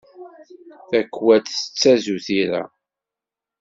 Takwat tettazu tira.